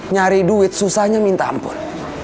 nyari duit susahnya minta ampun